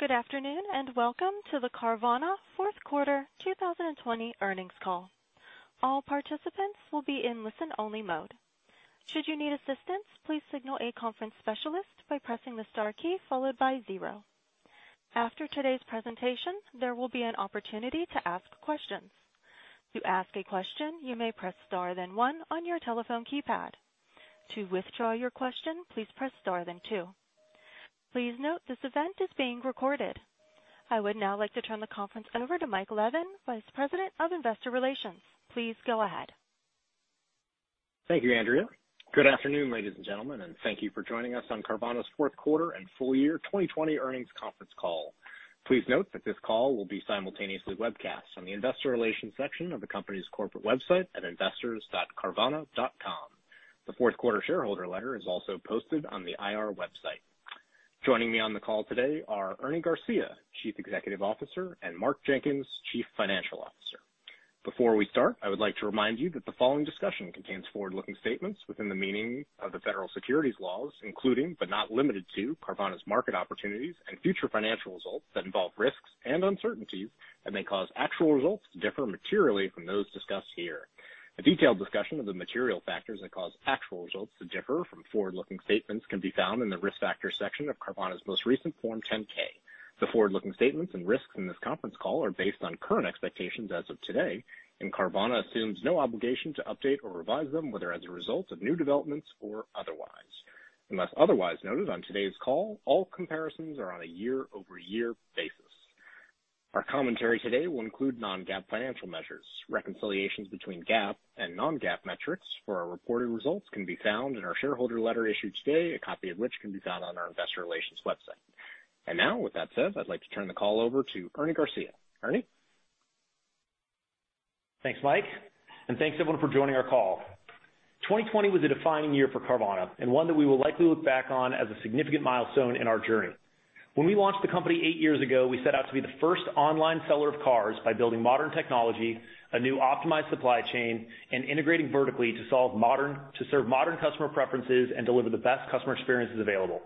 Good afternoon, and welcome to the Carvana fourth quarter 2020 earnings call. All participants will be in listen-only mode. Should you need assistance, please signal a conference specialist by pressing the star key followed by zero. After today's presentation, there will be an opportunity to ask questions. To ask a question, you may press star then one on your telephone keypad. To withdraw your question, please press star then two. Please note this event is being recorded. I would now like to turn the conference over to Mike Levin, Vice President of Investor Relations. Please go ahead. Thank you, Andrea. Good afternoon, ladies and gentlemen, and thank you for joining us on Carvana's fourth quarter and full year 2020 earnings conference call. Please note that this call will be simultaneously webcast on the investor relations section of the company's corporate website at investors.carvana.com. The fourth quarter shareholder letter is also posted on the IR website. Joining me on the call today are Ernie Garcia, Chief Executive Officer, and Mark Jenkins, Chief Financial Officer. Before we start, I would like to remind you that the following discussion contains forward-looking statements within the meaning of the federal securities laws, including, but not limited to, Carvana's market opportunities and future financial results that involve risks and uncertainties and may cause actual results to differ materially from those discussed here. A detailed discussion of the material factors that cause actual results to differ from forward-looking statements can be found in the Risk Factors section of Carvana's most recent Form 10-K. The forward-looking statements and risks in this conference call are based on current expectations as of today, and Carvana assumes no obligation to update or revise them, whether as a result of new developments or otherwise. Unless otherwise noted on today's call, all comparisons are on a year-over-year basis. Our commentary today will include non-GAAP financial measures. Reconciliations between GAAP and non-GAAP metrics for our reported results can be found in our shareholder letter issued today, a copy of which can be found on our investor relations website. Now, with that said, I'd like to turn the call over to Ernie Garcia. Ernie? Thanks, Mike, thanks, everyone, for joining our call. 2020 was a defining year for Carvana, and one that we will likely look back on as a significant milestone in our journey. When we launched the company eight years ago, we set out to be the first online seller of cars by building modern technology, a new optimized supply chain, and integrating vertically to serve modern customer preferences and deliver the best customer experiences available.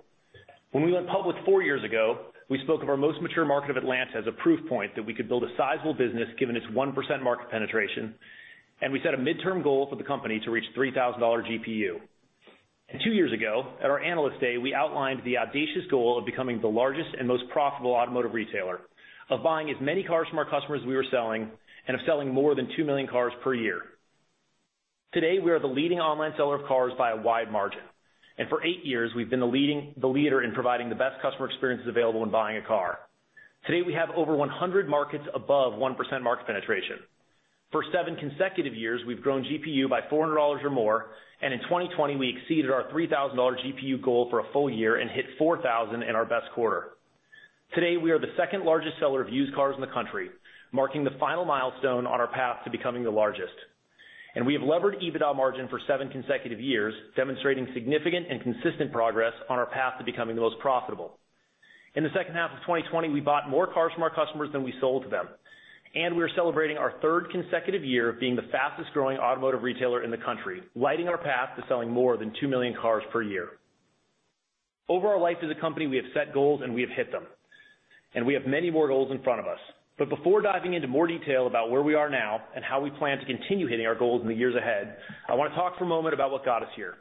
When we went public four years ago, we spoke of our most mature market of Atlanta as a proof point that we could build a sizable business given its 1% market penetration, and we set a midterm goal for the company to reach $3,000 GPU. Two years ago, at our Analyst Day, we outlined the audacious goal of becoming the largest and most profitable automotive retailer, of buying as many cars from our customers as we were selling, and of selling more than two million cars per year. Today, we are the leading online seller of cars by a wide margin, and for eight years, we've been the leader in providing the best customer experiences available when buying a car. Today, we have over 100 markets above 1% market penetration. For seven consecutive years, we've grown GPU by $400 or more, and in 2020, we exceeded our $3,000 GPU goal for a full year and hit $4,000 in our best quarter. Today, we are the second largest seller of used cars in the country, marking the final milestone on our path to becoming the largest. We have levered EBITDA margin for seven consecutive years, demonstrating significant and consistent progress on our path to becoming the most profitable. In the second half of 2020, we bought more cars from our customers than we sold to them. We're celebrating our third consecutive year of being the fastest-growing automotive retailer in the country, lighting our path to selling more than two million cars per year. Over our life as a company, we have set goals, and we have hit them. We have many more goals in front of us. Before diving into more detail about where we are now and how we plan to continue hitting our goals in the years ahead, I want to talk for a moment about what got us here.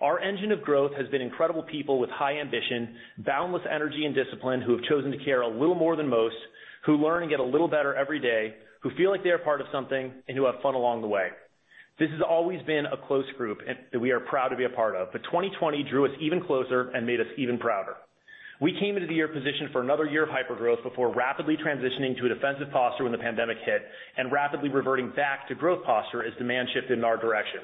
Our engine of growth has been incredible people with high ambition, boundless energy, and discipline who have chosen to care a little more than most, who learn and get a little better every day, who feel like they are part of something, and who have fun along the way. This has always been a close group that we are proud to be a part of, but 2020 drew us even closer and made us even prouder. We came into the year positioned for another year of hypergrowth before rapidly transitioning to a defensive posture when the pandemic hit, and rapidly reverting back to growth posture as demand shifted in our direction.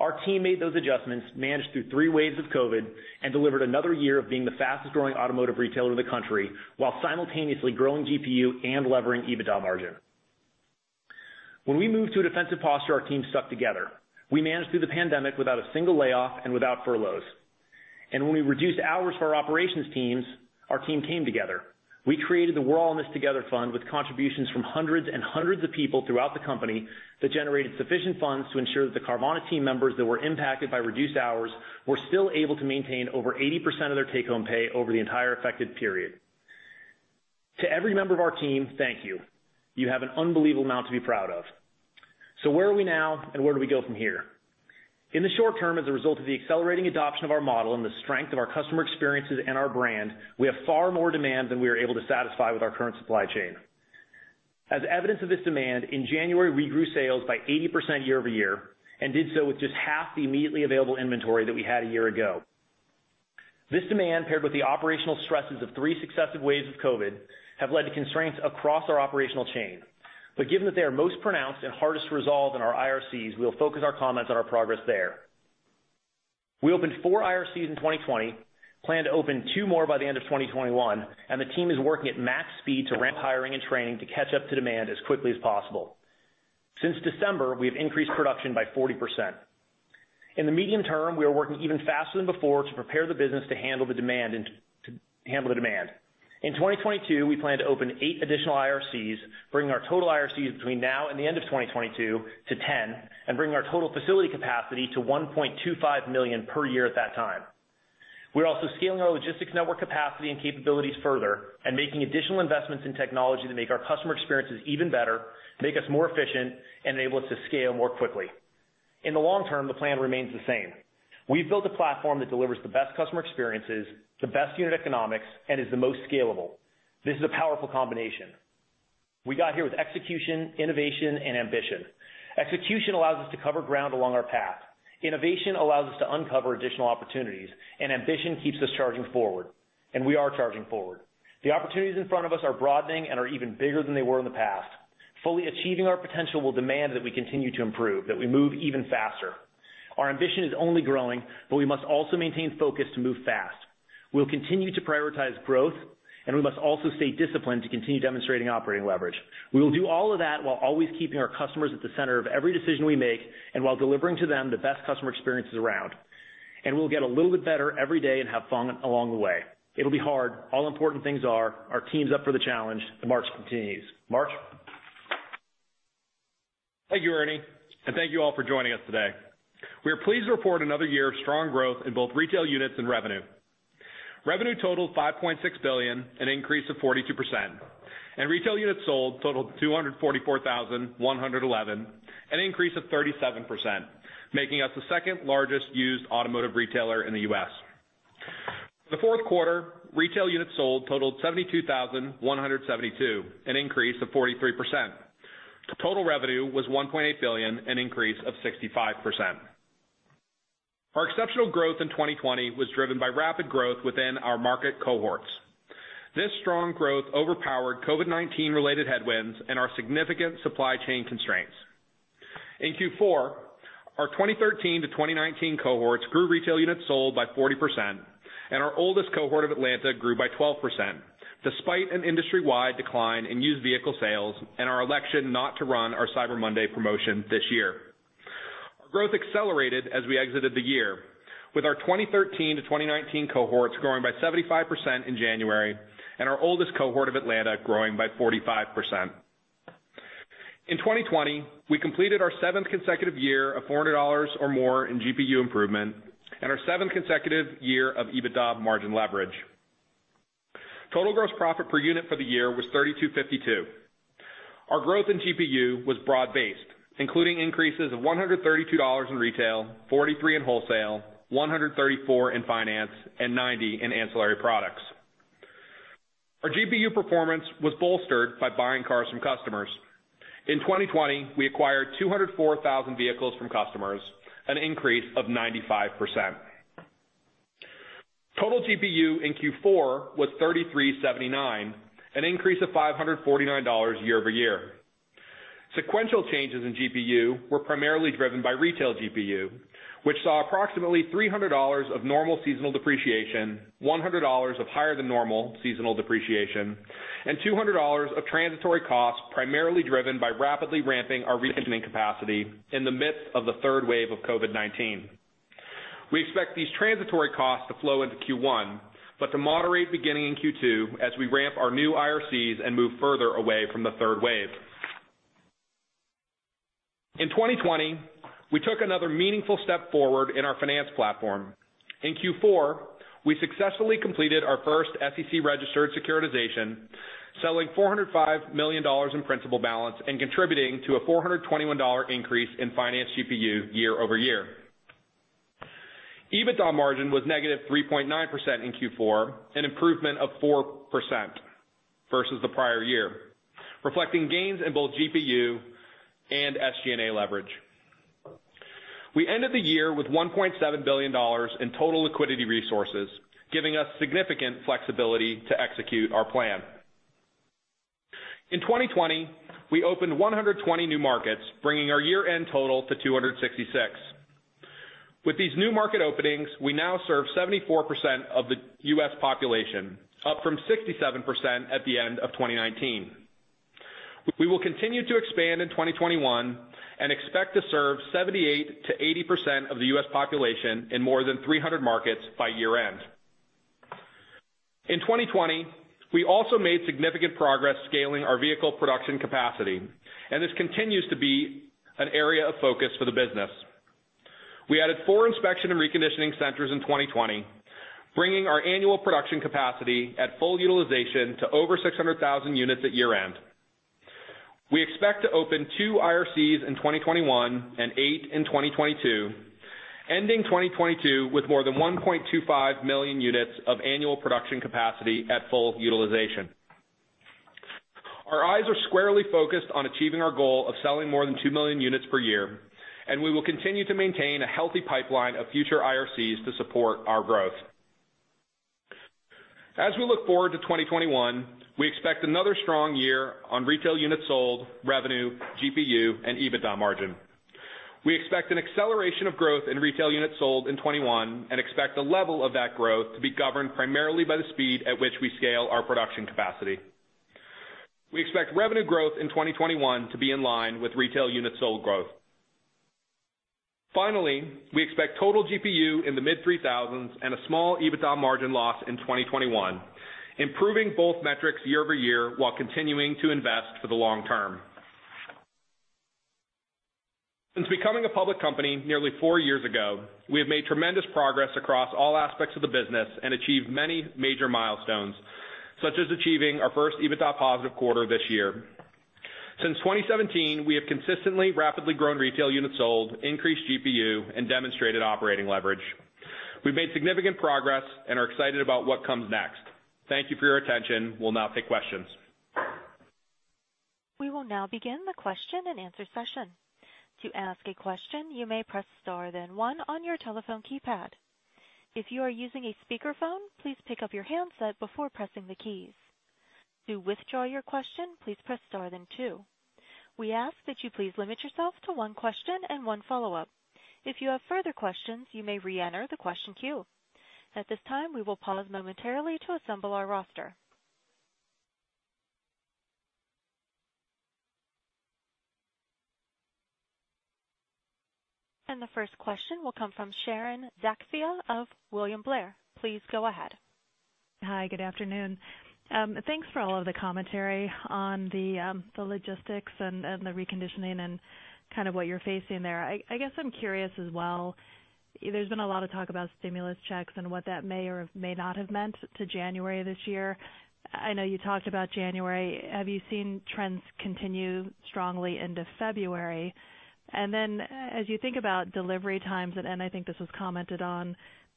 Our team made those adjustments, managed through three waves of COVID, and delivered another year of being the fastest-growing automotive retailer in the country while simultaneously growing GPU and levering EBITDA margin. When we moved to a defensive posture, our team stuck together. We managed through the pandemic without a single layoff and without furloughs. When we reduced hours for our operations teams, our team came together. We created the We're All In This Together Fund with contributions from hundreds and hundreds of people throughout the company that generated sufficient funds to ensure that the Carvana team members that were impacted by reduced hours were still able to maintain over 80% of their take-home pay over the entire affected period. To every member of our team, thank you. You have an unbelievable amount to be proud of. Where are we now, and where do we go from here? In the short term, as a result of the accelerating adoption of our model and the strength of our customer experiences and our brand, we have far more demand than we are able to satisfy with our current supply chain. As evidence of this demand, in January, we grew sales by 80% year-over-year and did so with just half the immediately available inventory that we had a year ago. This demand, paired with the operational stresses of three successive waves of COVID, have led to constraints across our operational chain. Given that they are most pronounced and hardest to resolve in our IRCs, we'll focus our comments on our progress there. We opened four IRCs in 2020, plan to open two more by the end of 2021, and the team is working at max speed to ramp hiring and training to catch up to demand as quickly as possible. Since December, we have increased production by 40%. In the medium term, we are working even faster than before to prepare the business to handle the demand. In 2022, we plan to open eight additional IRCs, bringing our total IRCs between now and the end of 2022 to 10, and bringing our total facility capacity to 1.25 million per year at that time. We're also scaling our logistics network capacity and capabilities further and making additional investments in technology to make our customer experiences even better, make us more efficient, and enable us to scale more quickly. In the long term, the plan remains the same. We've built a platform that delivers the best customer experiences, the best unit economics, and is the most scalable. This is a powerful combination. We got here with execution, innovation, and ambition. Execution allows us to cover ground along our path. Innovation allows us to uncover additional opportunities, and ambition keeps us charging forward, and we are charging forward. The opportunities in front of us are broadening and are even bigger than they were in the past. Fully achieving our potential will demand that we continue to improve, that we move even faster. Our ambition is only growing, but we must also maintain focus to move fast. We'll continue to prioritize growth, and we must also stay disciplined to continue demonstrating operating leverage. We will do all of that while always keeping our customers at the center of every decision we make and while delivering to them the best customer experiences around. We'll get a little bit better every day and have fun along the way. It'll be hard. All important things are. Our team's up for the challenge. The march continues. Mark? Thank you, Ernie, and thank you all for joining us today. We are pleased to report another year of strong growth in both retail units and revenue. Revenue totaled $5.6 billion, an increase of 42%, and retail units sold totaled 244,111, an increase of 37%, making us the second largest used automotive retailer in the U.S. The fourth quarter retail units sold totaled 72,172, an increase of 43%. Total revenue was $1.8 billion, an increase of 65%. Our exceptional growth in 2020 was driven by rapid growth within our market cohorts. This strong growth overpowered COVID-19 related headwinds and our significant supply chain constraints. In Q4, our 2013 to 2019 cohorts grew retail units sold by 40%, and our oldest cohort of Atlanta grew by 12%, despite an industry-wide decline in used vehicle sales and our election not to run our Cyber Monday promotion this year. Our growth accelerated as we exited the year, with our 2013 to 2019 cohorts growing by 75% in January and our oldest cohort of Atlanta growing by 45%. In 2020, we completed our seventh consecutive year of $400 or more in GPU improvement and our seventh consecutive year of EBITDA margin leverage. Total gross profit per unit for the year was $3,252. Our growth in GPU was broad-based, including increases of $132 in retail, $43 in wholesale, $134 in finance, and $90 in ancillary products. Our GPU performance was bolstered by buying cars from customers. In 2020, we acquired 204,000 vehicles from customers, an increase of 95%. Total GPU in Q4 was $3,379, an increase of $549 year-over-year. Sequential changes in GPU were primarily driven by retail GPU, which saw approximately $300 of normal seasonal depreciation, $100 of higher than normal seasonal depreciation, and $200 of transitory costs, primarily driven by rapidly ramping our reconditioning capacity in the midst of the third wave of COVID-19. We expect these transitory costs to flow into Q1, but to moderate beginning in Q2 as we ramp our new IRCs and move further away from the third wave. In 2020, we took another meaningful step forward in our finance platform. In Q4, we successfully completed our first SEC-registered securitization, selling $405 million in principal balance and contributing to a $421 increase in finance GPU year-over-year. EBITDA margin was -3.9% in Q4, an improvement of 4% versus the prior year, reflecting gains in both GPU and SG&A leverage. We ended the year with $1.7 billion in total liquidity resources, giving us significant flexibility to execute our plan. In 2020, we opened 120 new markets, bringing our year-end total to 266. With these new market openings, we now serve 74% of the U.S. population, up from 67% at the end of 2019. We will continue to expand in 2021 and expect to serve 78%-80% of the U.S. population in more than 300 markets by year end. In 2020, we also made significant progress scaling our vehicle production capacity, and this continues to be an area of focus for the business. We added four Inspection and Reconditioning Centers in 2020, bringing our annual production capacity at full utilization to over 600,000 units at year end. We expect to open two IRCs in 2021 and eight in 2022, ending 2022 with more than 1.25 million units of annual production capacity at full utilization. Our eyes are squarely focused on achieving our goal of selling more than 2 million units per year, and we will continue to maintain a healthy pipeline of future IRCs to support our growth. As we look forward to 2021, we expect another strong year on retail units sold, revenue, GPU, and EBITDA margin. We expect an acceleration of growth in retail units sold in 2021 and expect the level of that growth to be governed primarily by the speed at which we scale our production capacity. We expect revenue growth in 2021 to be in line with retail units sold growth. Finally, we expect total GPU in the mid-$3,000s and a small EBITDA margin loss in 2021, improving both metrics year-over-year while continuing to invest for the long term. Since becoming a public company nearly four years ago, we have made tremendous progress across all aspects of the business and achieved many major milestones, such as achieving our first EBITDA positive quarter this year. Since 2017, we have consistently, rapidly grown retail units sold, increased GPU, and demonstrated operating leverage. We've made significant progress and are excited about what comes next. Thank you for your attention. We'll now take questions. We will now begin the question and answer session. To ask a question, you may press star then one on your telephone keypad. If you are using a speakerphone, please pick up your handset before pressing the keys. To withdraw your question, please press star then two. We ask that you please limit yourself to one question and one follow-up. If you have further questions, you may re-enter the question queue. At this time, we will pause momentarily to assemble our roster. The first question will come from Sharon Zackfia of William Blair. Please go ahead. Hi, good afternoon. Thanks for all of the commentary on the logistics and the reconditioning and kind of what you're facing there. I guess I'm curious as well, there's been a lot of talk about stimulus checks and what that may or may not have meant to January this year. I know you talked about January. Have you seen trends continue strongly into February? As you think about delivery times, and I think this was commented on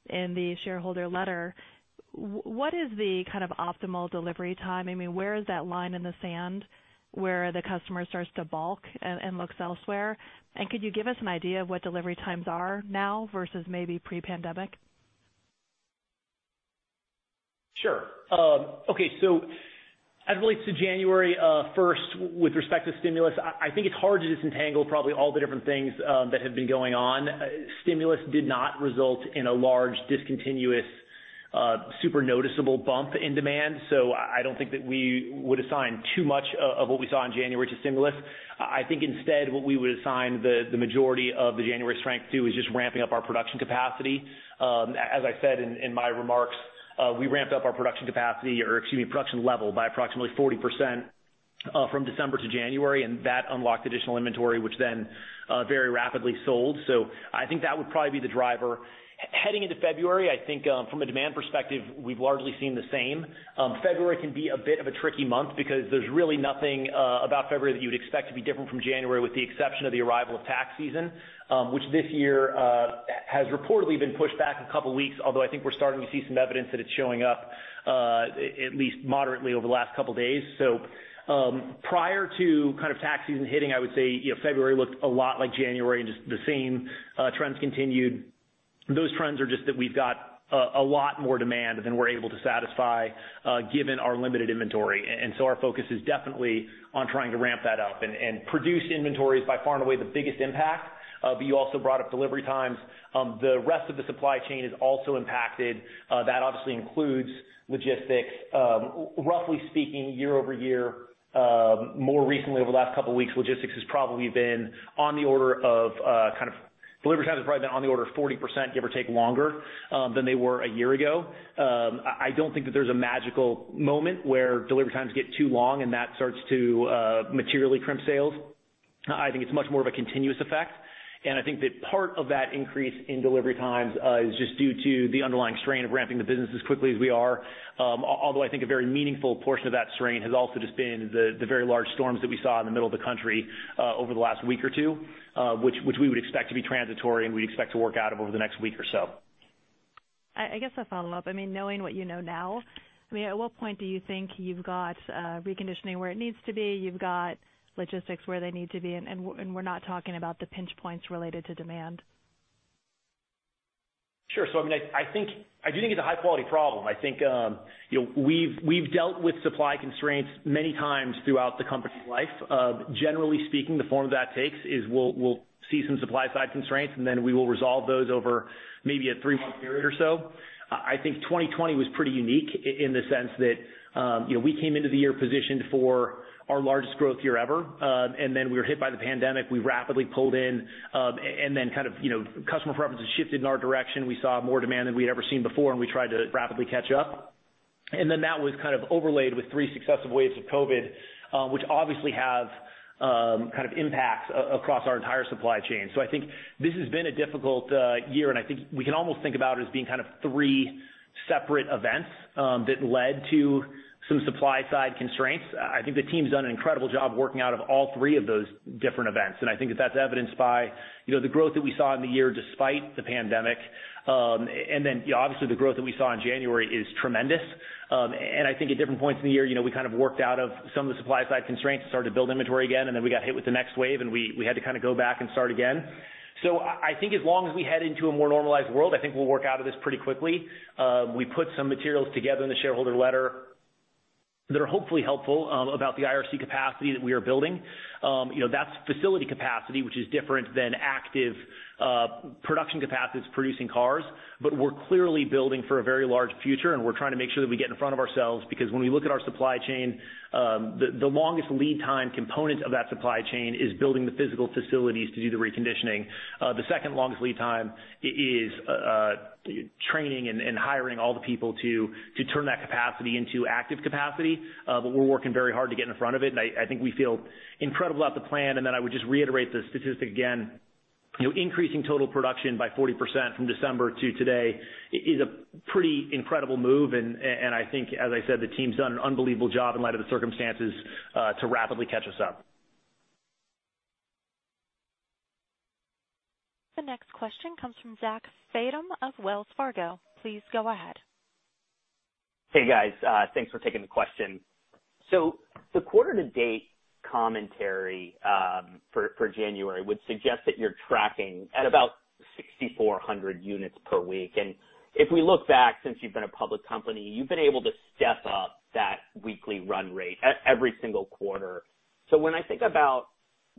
in the shareholder letter, what is the kind of optimal delivery time? I mean, where is that line in the sand where the customer starts to balk and looks elsewhere? Could you give us an idea of what delivery times are now versus maybe pre-pandemic? Sure. Okay. As it relates to January 1st, with respect to stimulus, I think it's hard to disentangle probably all the different things that have been going on. Stimulus did not result in a large discontinuous, super noticeable bump in demand. I don't think that we would assign too much of what we saw in January to stimulus. I think instead, what we would assign the majority of the January strength to is just ramping up our production capacity. As I said in my remarks, we ramped up our production capacity, or excuse me, production level by approximately 40% from December to January, and that unlocked additional inventory, which then very rapidly sold. I think that would probably be the driver. Heading into February, I think from a demand perspective, we've largely seen the same. February can be a bit of a tricky month because there's really nothing about February that you would expect to be different from January with the exception of the arrival of tax season, which this year has reportedly been pushed back a couple of weeks, although I think we're starting to see some evidence that it's showing up at least moderately over the last couple of days. Prior to kind of tax season hitting, I would say February looked a lot like January and just the same trends continued. Those trends are just that we've got a lot more demand than we're able to satisfy given our limited inventory. Our focus is definitely on trying to ramp that up and produce inventories by far and away the biggest impact. You also brought up delivery times. The rest of the supply chain is also impacted. That obviously includes logistics. Roughly speaking, year-over-year, more recently over the last couple of weeks, delivery times have probably been on the order of 40%, give or take longer, than they were a year ago. I don't think that there's a magical moment where delivery times get too long and that starts to materially crimp sales. I think it's much more of a continuous effect. I think that part of that increase in delivery times is just due to the underlying strain of ramping the business as quickly as we are. I think a very meaningful portion of that strain has also just been the very large storms that we saw in the middle of the country over the last week or two, which we would expect to be transitory and we'd expect to work out over the next week or so. I guess I'll follow up. I mean, knowing what you know now, I mean, at what point do you think you've got reconditioning where it needs to be, you've got logistics where they need to be, and we're not talking about the pinch points related to demand? Sure. I mean, I do think it's a high-quality problem. I think, we've dealt with supply constraints many times throughout the company's life. Generally speaking, the form that takes is we'll see some supply side constraints, and then we will resolve those over maybe a three-month period or so. I think 2020 was pretty unique in the sense that we came into the year positioned for our largest growth year ever, and then we were hit by the pandemic. We rapidly pulled in, and then kind of customer preferences shifted in our direction. We saw more demand than we'd ever seen before, and we tried to rapidly catch up. That was kind of overlaid with three successive waves of COVID, which obviously have kind of impacts across our entire supply chain. I think this has been a difficult year, and I think we can almost think about it as being kind of three separate events that led to some supply side constraints. I think the team's done an incredible job working out of all three of those different events, and I think that that's evidenced by the growth that we saw in the year despite the pandemic. Obviously the growth that we saw in January is tremendous. I think at different points in the year, we kind of worked out of some of the supply side constraints and started to build inventory again, and then we got hit with the next wave, and we had to kind of go back and start again. I think as long as we head into a more normalized world, I think we'll work out of this pretty quickly. We put some materials together in the shareholder letter that are hopefully helpful about the IRC capacity that we are building. That's facility capacity, which is different than active production capacities producing cars. We're clearly building for a very large future, and we're trying to make sure that we get in front of ourselves, because when we look at our supply chain, the longest lead time component of that supply chain is building the physical facilities to do the reconditioning. The second longest lead time is training and hiring all the people to turn that capacity into active capacity. We're working very hard to get in front of it, and I think we feel incredible about the plan. I would just reiterate the statistic again. Increasing total production by 40% from December to today is a pretty incredible move, and I think, as I said, the team's done an unbelievable job in light of the circumstances to rapidly catch us up. The next question comes from Zachary Fadem of Wells Fargo. Please go ahead. Hey, guys. Thanks for taking the question. The quarter-to-date commentary for January would suggest that you're tracking at about 6,400 units per week. If we look back, since you've been a public company, you've been able to step up that weekly run rate every single quarter. When I think about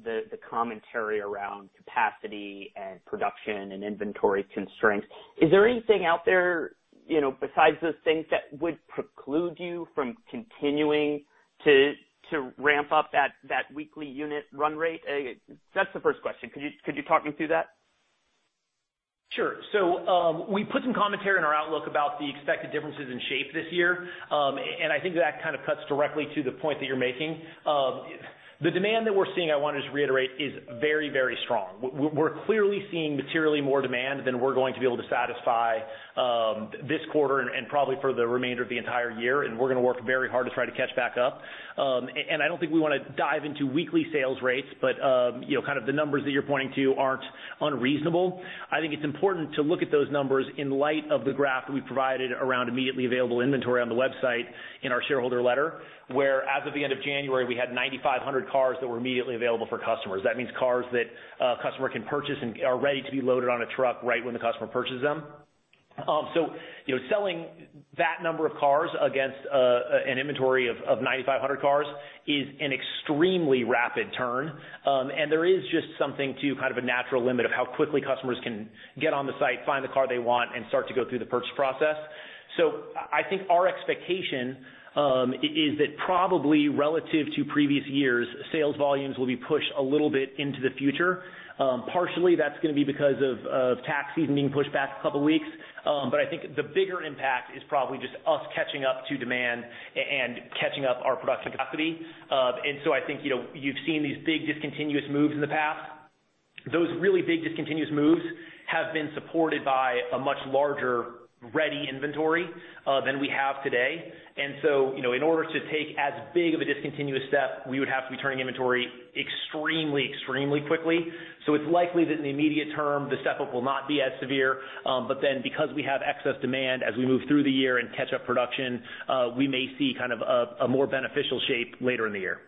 the commentary around capacity and production and inventory constraints, is there anything out there, besides those things, that would preclude you from continuing to ramp up that weekly unit run rate? That's the first question. Could you talk me through that? Sure. We put some commentary in our outlook about the expected differences in shape this year. I think that kind of cuts directly to the point that you're making. The demand that we're seeing, I want to just reiterate, is very, very strong. We're clearly seeing materially more demand than we're going to be able to satisfy this quarter, and probably for the remainder of the entire year. We're going to work very hard to try to catch back up. I don't think we want to dive into weekly sales rates, but the numbers that you're pointing to aren't unreasonable. I think it's important to look at those numbers in light of the graph that we provided around immediately available inventory on the website in our shareholder letter, where as of the end of January, we had 9,500 cars that were immediately available for customers. That means cars that a customer can purchase and are ready to be loaded on a truck right when the customer purchases them. Selling that number of cars against an inventory of 9,500 cars is an extremely rapid turn. There is just something to kind of a natural limit of how quickly customers can get on the site, find the car they want, and start to go through the purchase process. I think our expectation is that probably relative to previous years, sales volumes will be pushed a little bit into the future. Partially, that's going to be because of tax season being pushed back a couple weeks. I think the bigger impact is probably just us catching up to demand and catching up our production capacity. I think you've seen these big discontinuous moves in the past. Those really big discontinuous moves have been supported by a much larger ready inventory than we have today. In order to take as big of a discontinuous step, we would have to be turning inventory extremely quickly. It's likely that in the immediate term, the step-up will not be as severe. Because we have excess demand, as we move through the year and catch up production, we may see a more beneficial shape later in the year.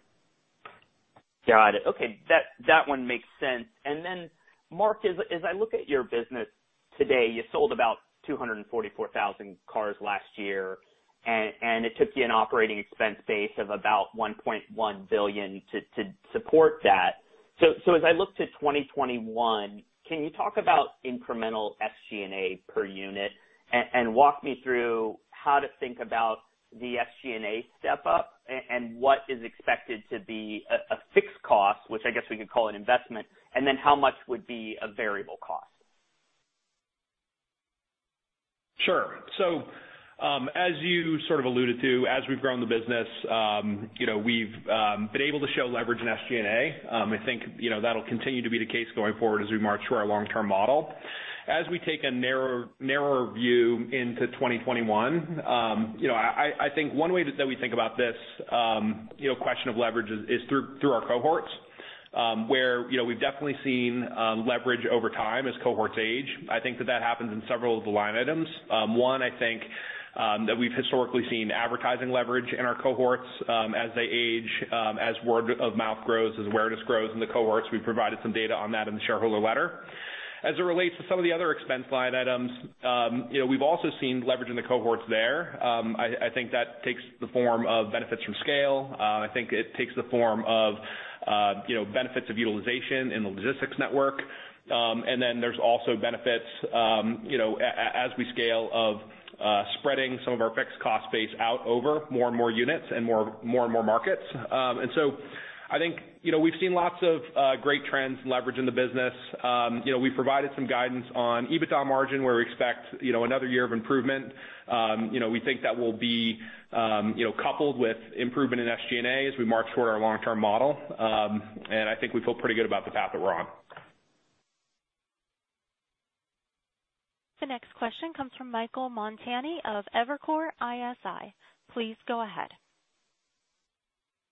Got it. Okay. That one makes sense. Then Mark, as I look at your business today, you sold about 244,000 cars last year, and it took you an operating expense base of about $1.1 billion to support that. As I look to 2021, can you talk about incremental SG&A per unit and walk me through how to think about the SG&A step-up and what is expected to be a fixed cost, which I guess we could call an investment, and then how much would be a variable cost? Sure. As you sort of alluded to, as we have grown the business, we have been able to show leverage in SG&A. I think that will continue to be the case going forward as we march to our long-term model. As we take a narrower view into 2021, I think one way that we think about this question of leverage is through our cohorts, where we have definitely seen leverage over time as cohorts age. I think that happens in several of the line items. One, I think that we have historically seen advertising leverage in our cohorts as they age, as word of mouth grows, as awareness grows in the cohorts. We have provided some data on that in the shareholder letter. As it relates to some of the other expense line items, we have also seen leverage in the cohorts there. I think that takes the form of benefits from scale. I think it takes the form of benefits of utilization in the logistics network. There's also benefits, as we scale, of spreading some of our fixed cost base out over more and more units and more and more markets. I think we've seen lots of great trends and leverage in the business. We've provided some guidance on EBITDA margin, where we expect another year of improvement. We think that will be coupled with improvement in SG&A as we march toward our long-term model. I think we feel pretty good about the path that we're on. The next question comes from Michael Montani of Evercore ISI. Please go ahead.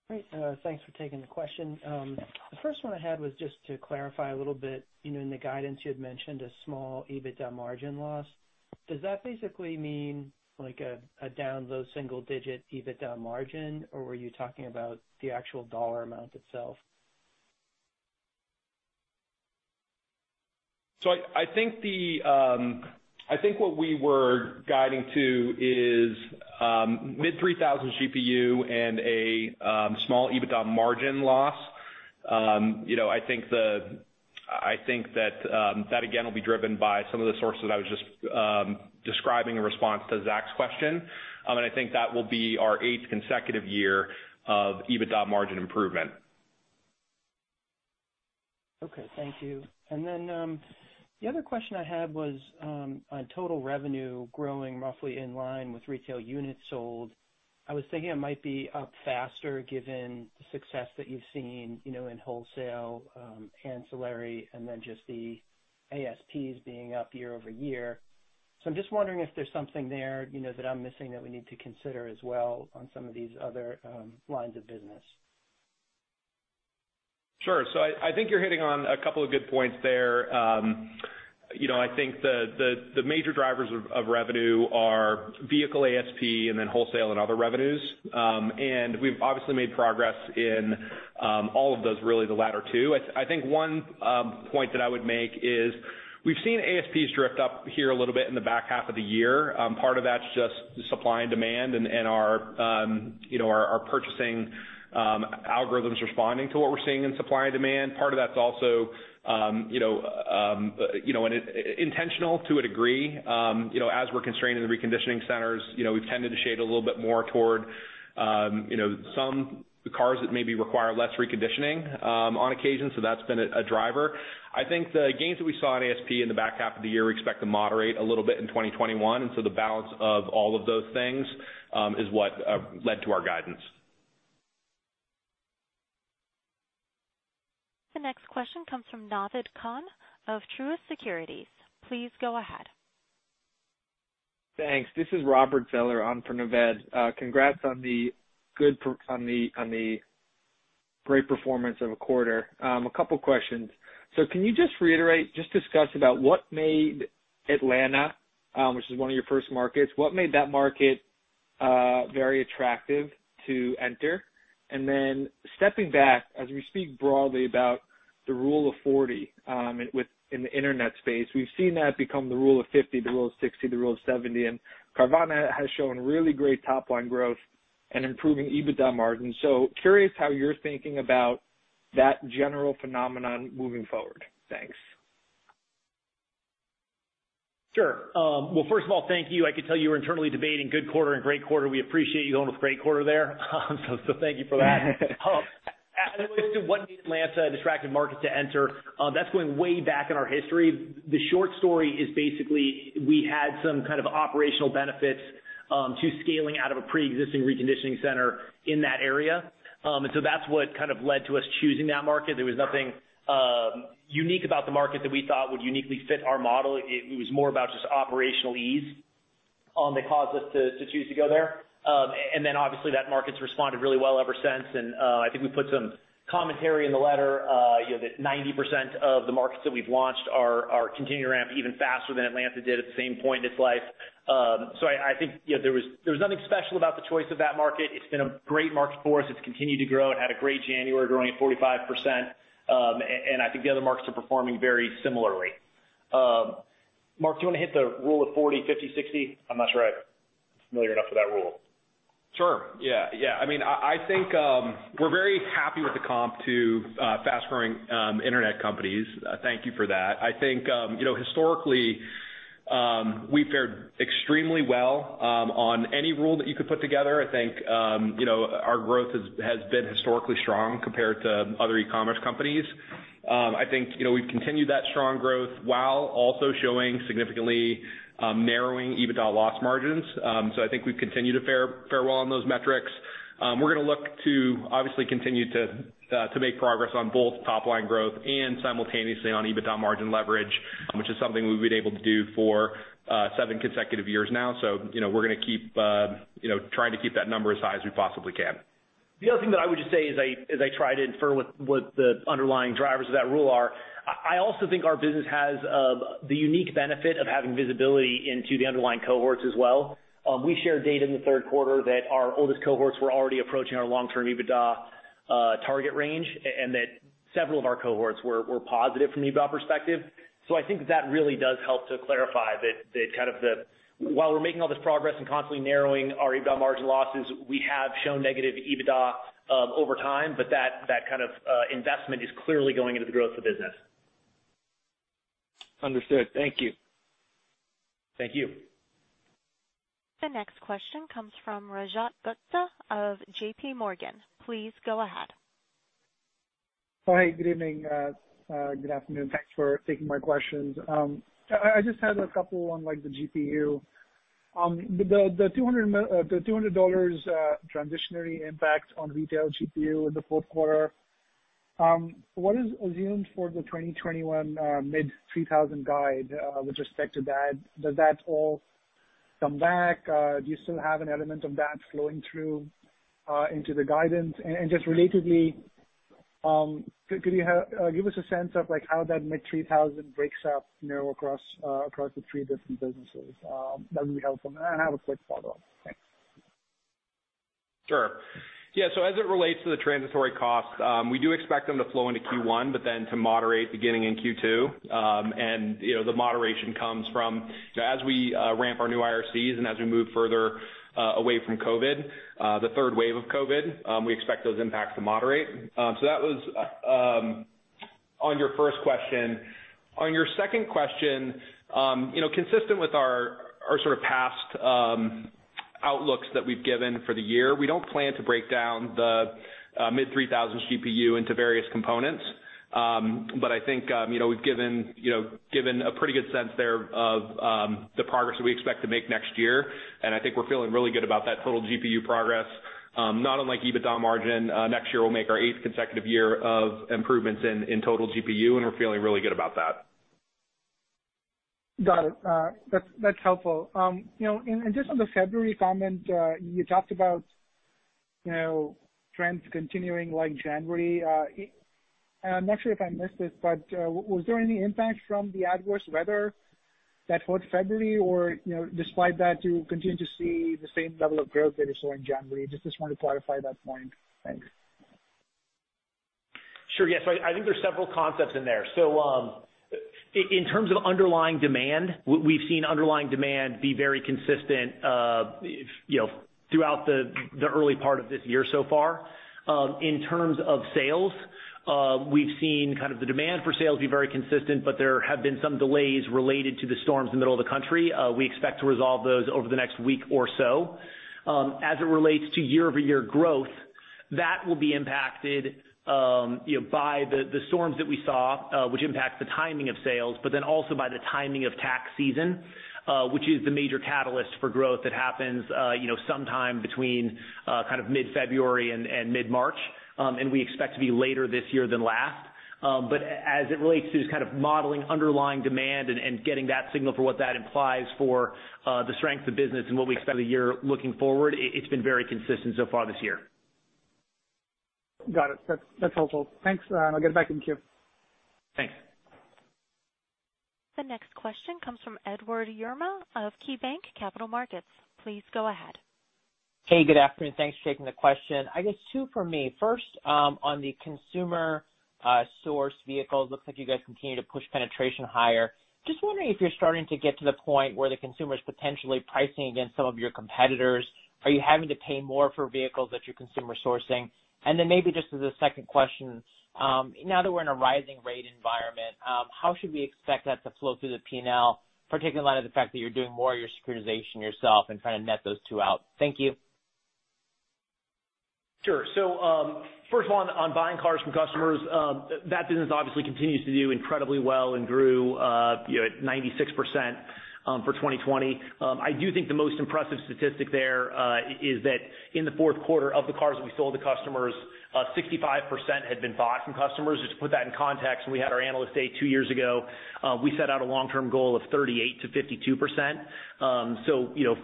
Great. Thanks for taking the question. The first one I had was just to clarify a little bit, in the guidance you had mentioned a small EBITDA margin loss. Does that basically mean like a down low single-digit EBITDA margin, or were you talking about the actual dollar amount itself? I think what we were guiding to is mid-$3,000 GPU and a small EBITDA margin loss. I think that again will be driven by some of the sources I was just describing in response to Zach's question. I think that will be our eighth consecutive year of EBITDA margin improvement. Okay. Thank you. The other question I had was on total revenue growing roughly in line with retail units sold. I was thinking it might be up faster given the success that you've seen in wholesale, ancillary, and then just the ASPs being up year-over-year. I'm just wondering if there's something there that I'm missing that we need to consider as well on some of these other lines of business. Sure. I think you're hitting on a couple of good points there. I think the major drivers of revenue are vehicle ASP and then wholesale and other revenues. We've obviously made progress in all of those really, the latter two. I think one point that I would make is we've seen ASPs drift up here a little bit in the back half of the year. Part of that's just supply and demand and our purchasing algorithms responding to what we're seeing in supply and demand. Part of that's also intentional to a degree. As we're constrained in the reconditioning centers, we've tended to shade a little bit more toward some cars that maybe require less reconditioning on occasion. That's been a driver. I think the gains that we saw in ASP in the back half of the year, we expect to moderate a little bit in 2021. The balance of all of those things is what led to our guidance. The next question comes from Naved Khan of Truist Securities. Please go ahead. Thanks. This is Robert Feller on for Naved. Congrats on the great performance of a quarter. A couple questions. Can you just reiterate, just discuss about what made Atlanta, which is one of your first markets, what made that market very attractive to enter? Then stepping back, as we speak broadly about the rule of 40 in the internet space, we've seen that become the rule of 50, the rule of 60, the rule of 70, and Carvana has shown really great top-line growth and improving EBITDA margins. Curious how you're thinking about that general phenomenon moving forward. Thanks. Sure. Well, first of all, thank you. I could tell you were internally debating good quarter and great quarter. We appreciate you going with great quarter there. Thank you for that. As it relates to what made Atlanta an attractive market to enter, that's going way back in our history. The short story is basically we had some kind of operational benefits to scaling out of a preexisting reconditioning center in that area. That's what led to us choosing that market. There was nothing unique about the market that we thought would uniquely fit our model. It was more about just operational ease that caused us to choose to go there. Obviously that market's responded really well ever since. I think we put some commentary in the letter, that 90% of the markets that we've launched are continuing to ramp even faster than Atlanta did at the same point in its life. I think there was nothing special about the choice of that market. It's been a great market for us. It's continued to grow and had a great January growing at 45%. I think the other markets are performing very similarly. Mark, do you want to hit the rule of 40, 50, 60? I'm not sure I'm familiar enough with that rule. Sure, yeah. I think we're very happy with the comp to fast-growing internet companies. Thank you for that. I think historically, we've fared extremely well on any rule that you could put together. I think our growth has been historically strong compared to other e-commerce companies. I think we've continued that strong growth while also showing significantly narrowing EBITDA loss margins. I think we've continued to fare well on those metrics. We're going to look to obviously continue to make progress on both top-line growth and simultaneously on EBITDA margin leverage, which is something we've been able to do for seven consecutive years now. We're going to keep trying to keep that number as high as we possibly can. The other thing that I would just say as I try to infer what the underlying drivers of that rule are, I also think our business has the unique benefit of having visibility into the underlying cohorts as well. We shared data in the third quarter that our oldest cohorts were already approaching our long-term EBITDA target range, and that several of our cohorts were positive from an EBITDA perspective. I think that really does help to clarify that while we're making all this progress and constantly narrowing our EBITDA margin losses, we have shown negative EBITDA over time, but that kind of investment is clearly going into the growth of the business. Understood. Thank you. Thank you. The next question comes from Rajat Gupta of JPMorgan. Please go ahead. Hey, good evening. Good afternoon. Thanks for taking my questions. I just had a couple on the GPU. The $200 transitionary impact on retail GPU in the fourth quarter, what is assumed for the 2021 mid-$3,000 guide with respect to that? Does that all come back? Do you still have an element of that flowing through into the guidance? Just relatedly, could you give us a sense of how that mid-$3,000 breaks up across the three different businesses? That would be helpful. I have a quick follow-up. Thanks. Sure. Yeah, as it relates to the transitory costs, we do expect them to flow into Q1, to moderate beginning in Q2. The moderation comes from as we ramp our new IRCs and as we move further away from COVID, the third wave of COVID, we expect those impacts to moderate. That was on your first question. On your second question, consistent with our sort of past outlooks that we've given for the year, we don't plan to break down the mid 3,000 GPU into various components. I think we've given a pretty good sense there of the progress that we expect to make next year, and I think we're feeling really good about that total GPU progress. Not unlike EBITDA margin, next year, we'll make our eighth consecutive year of improvements in total GPU, and we're feeling really good about that. Got it. That's helpful. Just on the February comment, you talked about trends continuing like January. I'm not sure if I missed this, but was there any impact from the adverse weather that hit February? Despite that, do you continue to see the same level of growth that you saw in January? Just want to clarify that point. Thanks. Sure. Yeah. I think there's several concepts in there. In terms of underlying demand, we've seen underlying demand be very consistent throughout the early part of this year so far. In terms of sales, we've seen the demand for sales be very consistent, but there have been some delays related to the storms in the middle of the country. We expect to resolve those over the next week or so. As it relates to year-over-year growth, that will be impacted by the storms that we saw, which impact the timing of sales, but then also by the timing of tax season, which is the major catalyst for growth that happens sometime between mid-February and mid-March, and we expect to be later this year than last. As it relates to modeling underlying demand and getting that signal for what that implies for the strength of business and what we expect of the year looking forward, it's been very consistent so far this year. Got it. That's helpful. Thanks. I'll get back in queue. Thanks. The next question comes from Edward Yruma of KeyBanc Capital Markets. Please go ahead. Hey, good afternoon. Thanks for taking the question. I guess two for me. First, on the consumer-sourced vehicles, looks like you guys continue to push penetration higher. Just wondering if you're starting to get to the point where the consumer's potentially pricing against some of your competitors. Are you having to pay more for vehicles that you're consumer sourcing? Maybe just as a second question, now that we're in a rising rate environment, how should we expect that to flow through the P&L, particularly in light of the fact that you're doing more of your securitization yourself and trying to net those two out? Thank you. First of all, on buying cars from customers, that business obviously continues to do incredibly well and grew at 96% for 2020. I do think the most impressive statistic there is that in the fourth quarter, of the cars that we sold to customers, 65% had been bought from customers. Just to put that in context, when we had our Analyst Day two years ago, we set out a long-term goal of 38%-52%.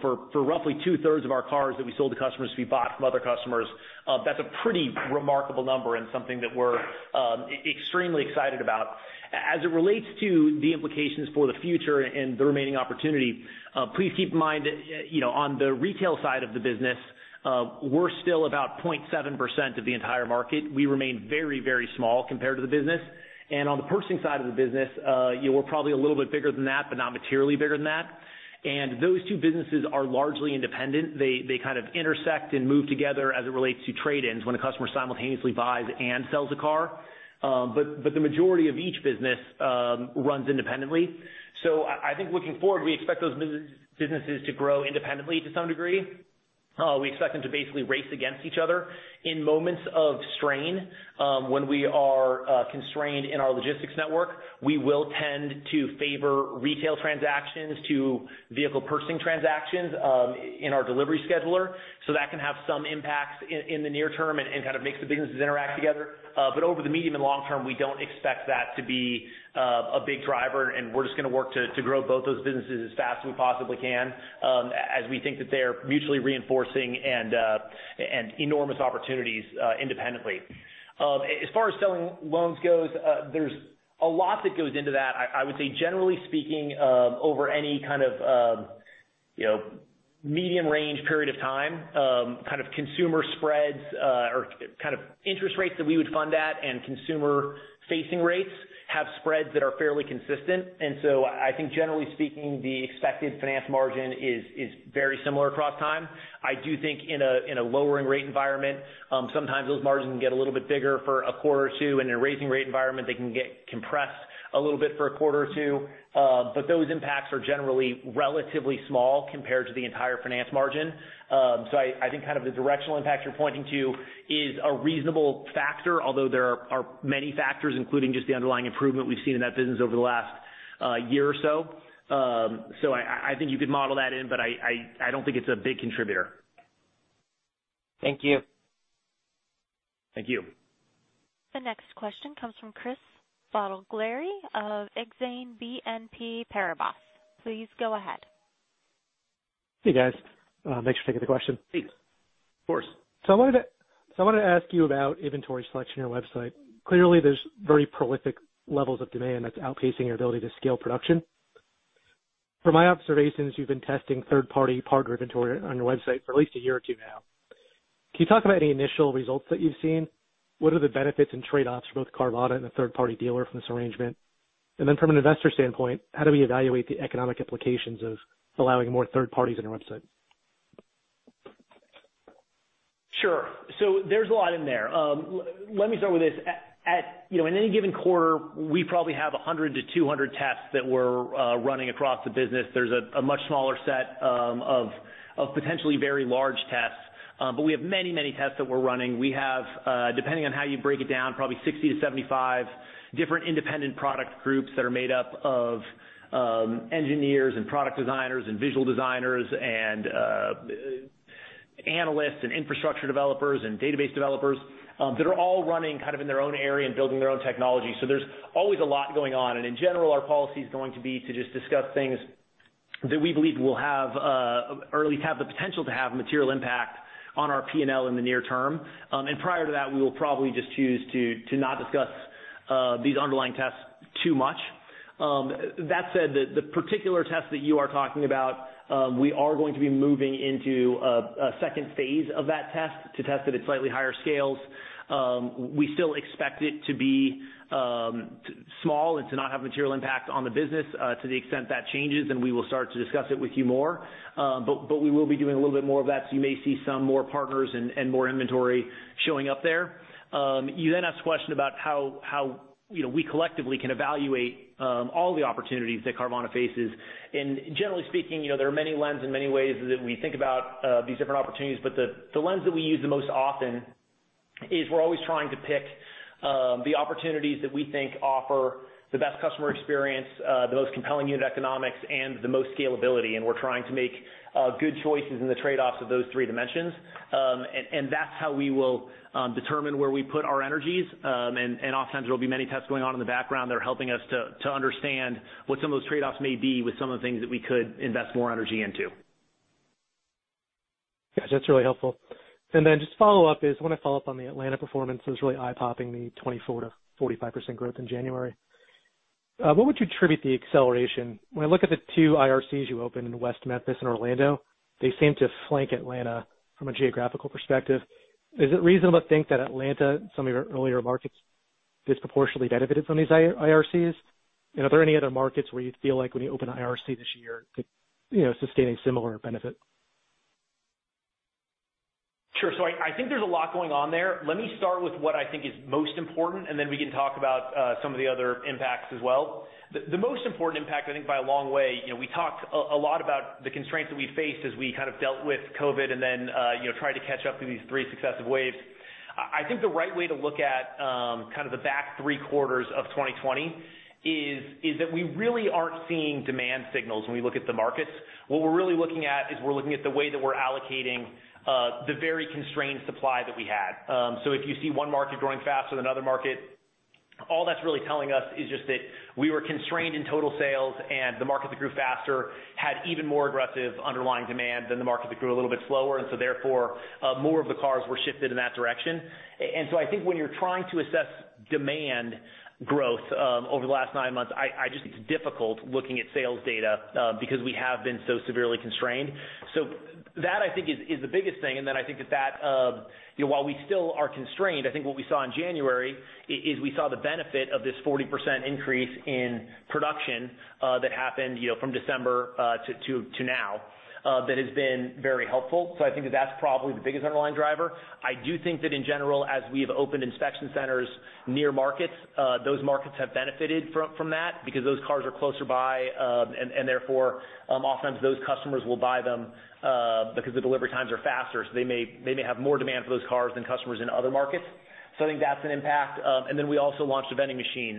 For roughly two-thirds of our cars that we sold to customers to be bought from other customers, that's a pretty remarkable number and something that we're extremely excited about. As it relates to the implications for the future and the remaining opportunity, please keep in mind, on the retail side of the business, we're still about 0.7% of the entire market. We remain very, very small compared to the business. On the purchasing side of the business, we're probably a little bit bigger than that, but not materially bigger than that. Those two businesses are largely independent. They kind of intersect and move together as it relates to trade-ins, when a customer simultaneously buys and sells a car. The majority of each business runs independently. I think looking forward, we expect those businesses to grow independently to some degree. We expect them to basically race against each other. In moments of strain, when we are constrained in our logistics network, we will tend to favor retail transactions to vehicle purchasing transactions in our delivery scheduler. That can have some impacts in the near term and kind of makes the businesses interact together. Over the medium and long term, we don't expect that to be a big driver, and we're just going to work to grow both those businesses as fast as we possibly can, as we think that they are mutually reinforcing and enormous opportunities independently. As far as selling loans goes, there's a lot that goes into that. I would say generally speaking, over any kind of medium range period of time, consumer spreads or interest rates that we would fund at and consumer-facing rates have spreads that are fairly consistent. I think generally speaking, the expected finance margin is very similar across time. I do think in a lowering rate environment, sometimes those margins can get a little bit bigger for a quarter or two. In a raising rate environment, they can get compressed a little bit for a quarter or two. Those impacts are generally relatively small compared to the entire finance margin. I think the directional impact you are pointing to is a reasonable factor, although there are many factors, including just the underlying improvement we have seen in that business over the last year or so. I think you could model that in, but I don't think it is a big contributor. Thank you. Thank you. The next question comes from Chris Bottiglieri of Exane BNP Paribas. Please go ahead. Hey, guys. Thanks for taking the question. Thanks. Of course. I wanted to ask you about inventory selection on your website. Clearly, there's very prolific levels of demand that's outpacing your ability to scale production. From my observations, you've been testing third-party partner inventory on your website for at least a year or two now. Can you talk about any initial results that you've seen? What are the benefits and trade-offs for both Carvana and the third-party dealer from this arrangement? From an investor standpoint, how do we evaluate the economic implications of allowing more third parties on your website? Sure. There's a lot in there. Let me start with this. In any given quarter, we probably have 100 to 200 tests that we're running across the business. There's a much smaller set of potentially very large tests. We have many, many tests that we're running. We have, depending on how you break it down, probably 60 to 75 different independent product groups that are made up of engineers and product designers and visual designers and analysts and infrastructure developers and database developers, that are all running in their own area and building their own technology. There's always a lot going on. In general, our policy's going to be to just discuss things that we believe will have, or at least have the potential to have material impact on our P&L in the near term. Prior to that, we will probably just choose to not discuss these underlying tests too much. That said, the particular test that you are talking about, we are going to be moving into a second phase of that test to test it at slightly higher scales. We still expect it to be small and to not have material impact on the business. To the extent that changes, then we will start to discuss it with you more. We will be doing a little bit more of that, so you may see some more partners and more inventory showing up there. You then asked a question about how we collectively can evaluate all the opportunities that Carvana faces. Generally speaking, there are many lens and many ways that we think about these different opportunities. The lens that we use the most often is we're always trying to pick the opportunities that we think offer the best customer experience, the most compelling unit economics, and the most scalability. We're trying to make good choices in the trade-offs of those three dimensions. That's how we will determine where we put our energies. Oftentimes there will be many tests going on in the background that are helping us to understand what some of those trade-offs may be with some of the things that we could invest more energy into. Yeah. That's really helpful. Just follow-up is, I want to follow up on the Atlanta performance. It was really eye-popping, the 24%-45% growth in January. What would you attribute the acceleration? When I look at the two IRCs you opened in West Memphis and Orlando, they seem to flank Atlanta from a geographical perspective. Is it reasonable to think that Atlanta, some of your earlier markets, disproportionately benefited from these IRCs? Are there any other markets where you feel like when you open an IRC this year, could sustain a similar benefit? Sure. I think there's a lot going on there. Let me start with what I think is most important, and then we can talk about some of the other impacts as well. The most important impact, I think by a long way, we talked a lot about the constraints that we faced as we dealt with COVID and then tried to catch up through these three successive waves. I think the right way to look at the back three quarters of 2020 is that we really aren't seeing demand signals when we look at the markets. What we're really looking at is we're looking at the way that we're allocating the very constrained supply that we had. If you see one market growing faster than another market, all that's really telling us is just that we were constrained in total sales, and the markets that grew faster had even more aggressive underlying demand than the markets that grew a little bit slower. Therefore, more of the cars were shifted in that direction. I think when you're trying to assess demand growth over the last nine months, I just think it's difficult looking at sales data, because we have been so severely constrained. That I think is the biggest thing. I think that while we still are constrained, I think what we saw in January is we saw the benefit of this 40% increase in production that happened from December to now. That has been very helpful. I think that that's probably the biggest underlying driver. I do think that in general, as we've opened inspection centers near markets, those markets have benefited from that because those cars are closer by, and therefore, oftentimes those customers will buy them, because the delivery times are faster, so they may have more demand for those cars than customers in other markets. I think that's an impact. Then we also launched a vending machine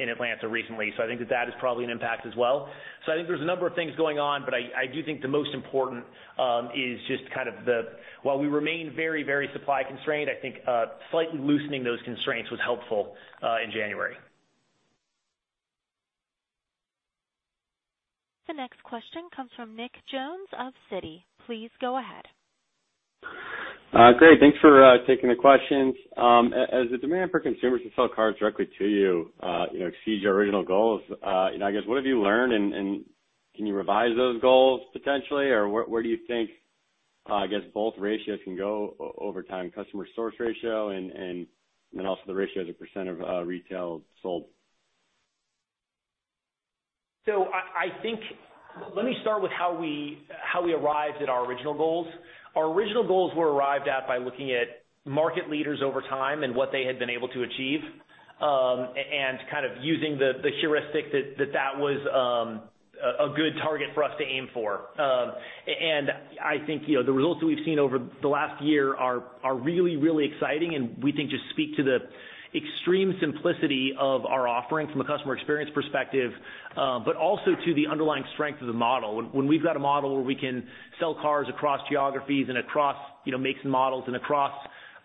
in Atlanta recently. I think that that is probably an impact as well. I think there's a number of things going on, but I do think the most important is just while we remain very, very supply constrained, I think slightly loosening those constraints was helpful, in January. The next question comes from Nick Jones of Citi. Please go ahead. Great. Thanks for taking the questions. As the demand for consumers to sell cars directly to you exceeds your original goals, I guess, what have you learned and can you revise those goals potentially? Or where do you think, I guess both ratios can go over time, customer source ratio, and then also the ratio as a percent of retail sold? I think, let me start with how we arrived at our original goals. Our original goals were arrived at by looking at market leaders over time and what they had been able to achieve, and using the heuristic that that was a good target for us to aim for. I think the results that we've seen over the last year are really, really exciting and we think just speak to the extreme simplicity of our offering from a customer experience perspective. Also to the underlying strength of the model. When we've got a model where we can sell cars across geographies and across makes and models and across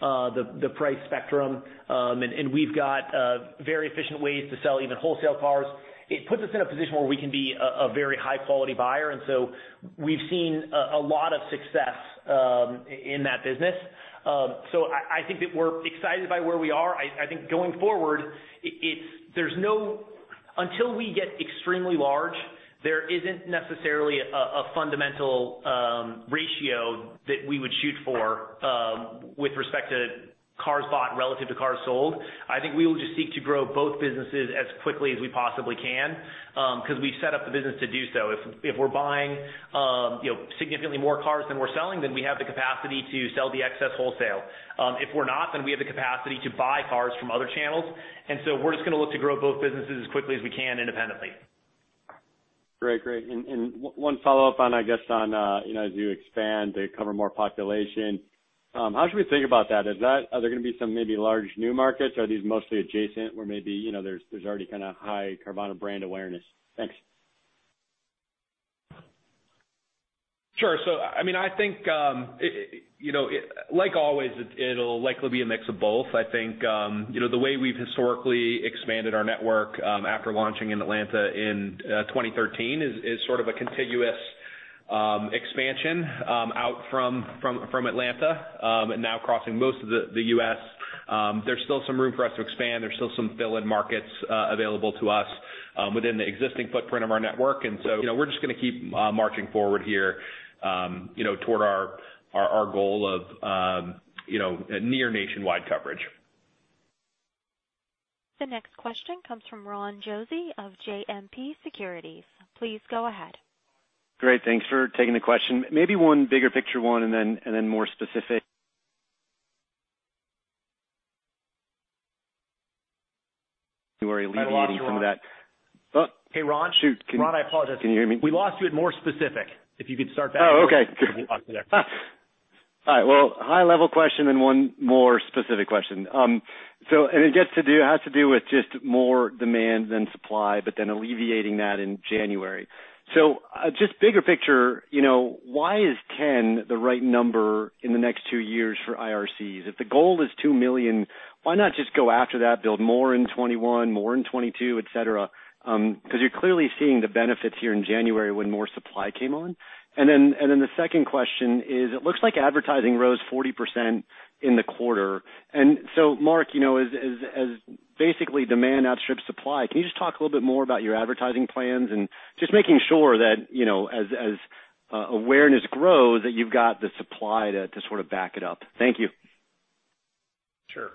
the price spectrum, and we've got very efficient ways to sell even wholesale cars, it puts us in a position where we can be a very high-quality buyer. We've seen a lot of success in that business. I think that we're excited by where we are. I think going forward, until we get extremely large, there isn't necessarily a fundamental ratio that we would shoot for with respect to. Cars bought relative to cars sold. I think we will just seek to grow both businesses as quickly as we possibly can, because we've set up the business to do so. If we're buying significantly more cars than we're selling, then we have the capacity to sell the excess wholesale. If we're not, then we have the capacity to buy cars from other channels. We're just going to look to grow both businesses as quickly as we can independently. Great. One follow-up on, as you expand to cover more population, how should we think about that? Are there going to be some maybe large new markets? Are these mostly adjacent, or maybe there's already high Carvana brand awareness? Thanks. Sure. I think, like always, it'll likely be a mix of both. I think the way we've historically expanded our network after launching in Atlanta in 2013 is sort of a contiguous expansion out from Atlanta, and now crossing most of the U.S. There's still some room for us to expand. There's still some fill-in markets available to us within the existing footprint of our network. We're just going to keep marching forward here toward our goal of near nationwide coverage. The next question comes from Ronald Josey of JMP Securities. Please go ahead. Great. Thanks for taking the question. Maybe one bigger picture one and then more specific. You are alleviating some of that I lost you, Ron. Oh. Hey, Ron? Shoot. Ron, I apologize. Can you hear me? We lost you at more specific. If you could start back. Oh, okay. We lost you there. All right. Well, high level question, then one more specific question. It has to do with just more demand than supply, but then alleviating that in January. Just bigger picture, why is 10 the right number in the next two years for IRCs? If the goal is two million, why not just go after that, build more in 2021, more in 2022, et cetera? You're clearly seeing the benefits here in January when more supply came on. The second question is, it looks like advertising rose 40% in the quarter. Mark, as basically demand outstrips supply, can you just talk a little bit more about your advertising plans and just making sure that, as awareness grows, that you've got the supply to back it up. Thank you. Sure.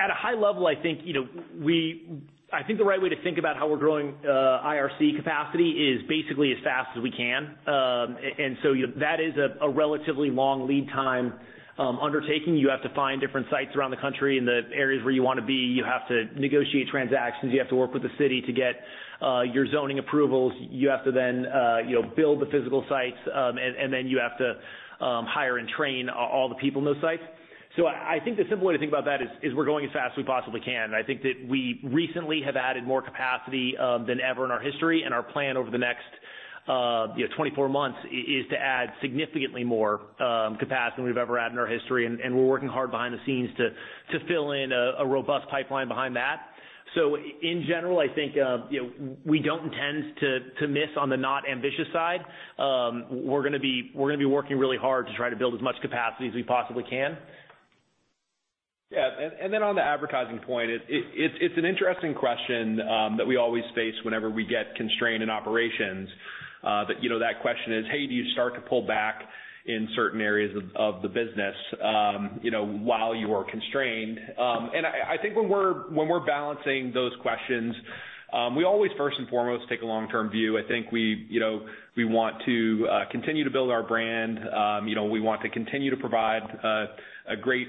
At a high level, I think the right way to think about how we're growing IRC capacity is basically as fast as we can. That is a relatively long lead time undertaking. You have to find different sites around the country in the areas where you want to be. You have to negotiate transactions. You have to work with the city to get your zoning approvals. You have to then build the physical sites, and then you have to hire and train all the people in those sites. I think the simple way to think about that is we're going as fast as we possibly can. I think that we recently have added more capacity than ever in our history, and our plan over the next 24 months is to add significantly more capacity than we've ever had in our history. We're working hard behind the scenes to fill in a robust pipeline behind that. In general, I think we don't intend to miss on the not ambitious side. We're going to be working really hard to try to build as much capacity as we possibly can. Yeah, then on the advertising point, it's an interesting question that we always face whenever we get constrained in operations. That question is, hey, do you start to pull back in certain areas of the business while you are constrained? I think when we're balancing those questions, we always first and foremost take a long-term view. I think we want to continue to build our brand. We want to continue to provide a great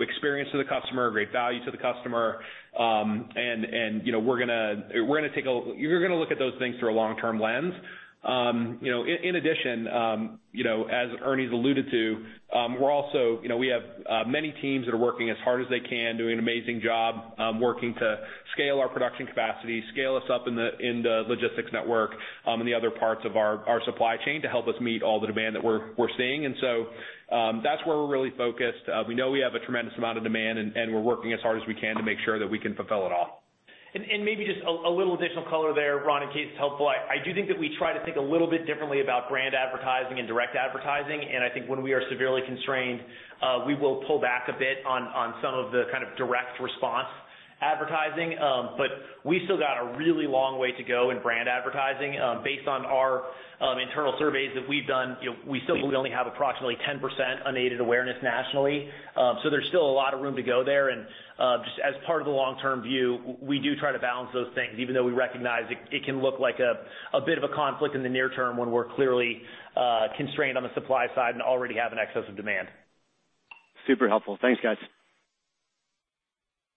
experience to the customer, a great value to the customer. We're going to look at those things through a long-term lens. In addition, as Ernie's alluded to, we have many teams that are working as hard as they can, doing an amazing job, working to scale our production capacity, scale us up in the logistics network, and the other parts of our supply chain to help us meet all the demand that we're seeing. That's where we're really focused. We know we have a tremendous amount of demand, and we're working as hard as we can to make sure that we can fulfill it all. Maybe just a little additional color there, Ron, in case it's helpful. I do think that we try to think a little bit differently about brand advertising and direct advertising. I think when we are severely constrained, we will pull back a bit on some of the direct response advertising. We still got a really long way to go in brand advertising. Based on our internal surveys that we've done, we still believe we only have approximately 10% unaided awareness nationally. There's still a lot of room to go there. Just as part of the long-term view, we do try to balance those things, even though we recognize it can look like a bit of a conflict in the near term when we're clearly constrained on the supply side and already have an excess of demand. Super helpful. Thanks, guys.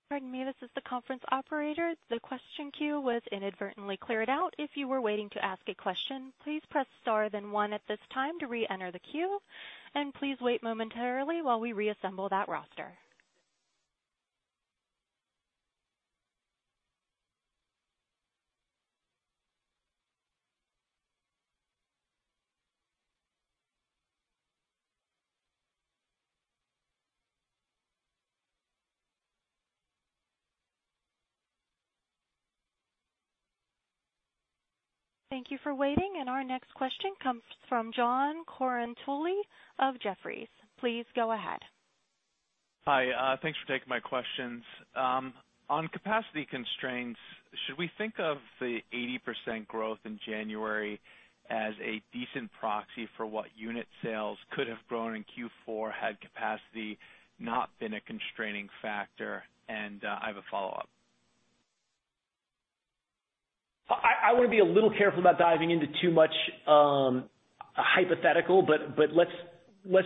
Pardon me, this is the conference operator. The question queue was inadvertently cleared out. If you were waiting to ask a question, please press star then one at this time to reenter the queue. Please wait momentarily while we reassemble that roster. Thank you for waiting. Our next question comes from John Colantuoni of Jefferies. Please go ahead. Hi, thanks for taking my questions. On capacity constraints, should we think of the 80% growth in January as a decent proxy for what unit sales could have grown in Q4 had capacity not been a constraining factor? I have a follow-up. I want to be a little careful about diving into too much hypothetical, but let's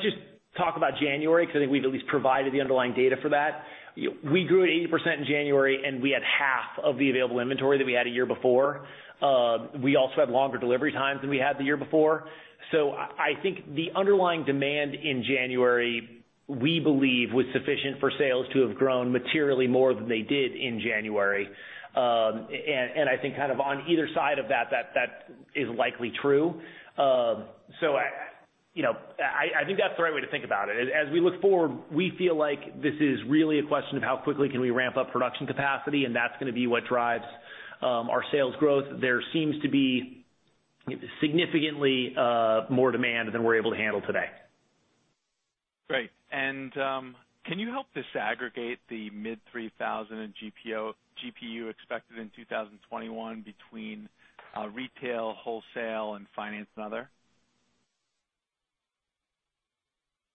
just talk about January because I think we've at least provided the underlying data for that. We grew at 80% in January, and we had half of the available inventory that we had a year before. We also had longer delivery times than we had the year before. I think the underlying demand in January, we believe, was sufficient for sales to have grown materially more than they did in January. I think on either side of that is likely true. I think that's the right way to think about it. As we look forward, we feel like this is really a question of how quickly can we ramp up production capacity, and that's going to be what drives our sales growth. There seems to be significantly more demand than we're able to handle today. Great. Can you help disaggregate the mid-$3,000 GPU expected in 2021 between retail, wholesale, and finance and other?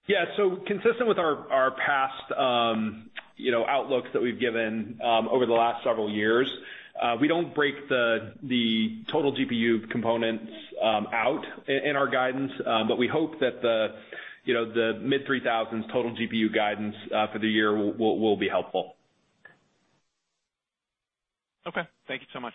Yeah. Consistent with our past outlooks that we've given over the last several years, we don't break the total GPU components out in our guidance, but we hope that the mid-$3,000 total GPU guidance for the year will be helpful. Okay. Thank you so much.